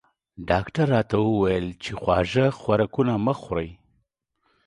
ډاکټر راته وویل چې خواږه خوراکونه مه خورئ